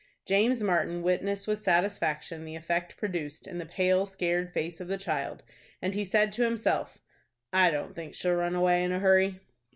James Martin witnessed with satisfaction the effect produced in the pale, scared face of the child, and he said to himself, "I don't think she'll run away in a hurry."